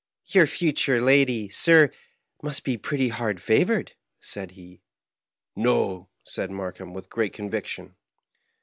" Tour future lady, sir, must be pretty hard favored," said he. *^ No/' said Markheim, with great conviction.